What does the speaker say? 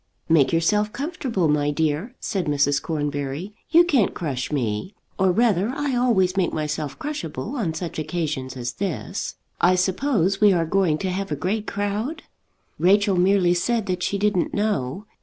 "Make yourself comfortable, my dear," said Mrs. Cornbury, "you can't crush me. Or rather I always make myself crushable on such occasions as this. I suppose we are going to have a great crowd?" Rachel merely said that she didn't know.